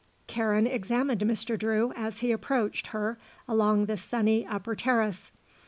Karen examined Mr. Drew as he approached her along the sunny upper terrace.